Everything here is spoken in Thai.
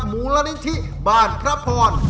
หมู่ละนิทิบ้านพระพร